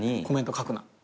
コメント書くな。